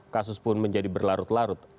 kasus pun menjadi berlarut larut